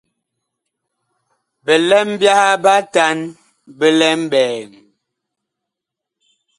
Bilɛm byaha bi atan bi lɛ mɓɛɛŋ.